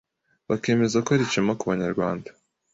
bakemeza ko ari ishema ku Banyarwanda